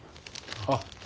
あっ。